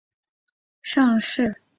其股份分别自纽约证券交易所上市。